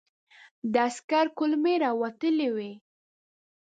د عسکر کولمې را وتلې وې.